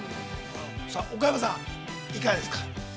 さあ岡山さん、いかがですか。